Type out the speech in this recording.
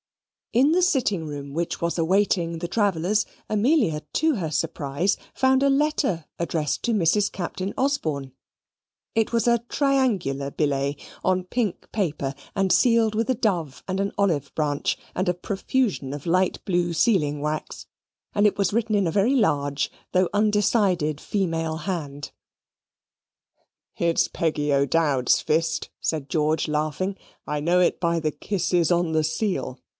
In the sitting room which was awaiting the travellers, Amelia, to her surprise, found a letter addressed to Mrs. Captain Osborne. It was a triangular billet, on pink paper, and sealed with a dove and an olive branch, and a profusion of light blue sealing wax, and it was written in a very large, though undecided female hand. "It's Peggy O'Dowd's fist," said George, laughing. "I know it by the kisses on the seal."